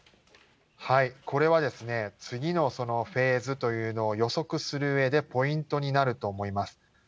これはですね、次のフェーズというのを予測するうえでポイントになると思います。